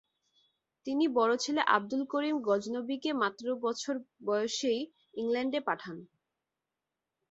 তিনি বড় ছেলে আবদুল করিম গজনবীকে মাত্র বছর বয়সেই ইংল্যান্ড পাঠান।